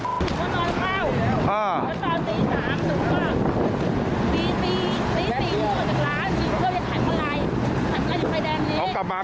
นอนข้าวเร็วนอนข้าวตี๓ถึงว่าตี๔ออกมาจากร้าน